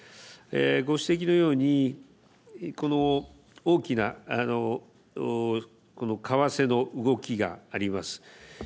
ご指摘のように、この大きな為替の動きがあります。